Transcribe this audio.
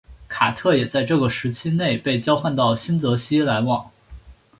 卡特也在这个时期内被交换到新泽西篮网。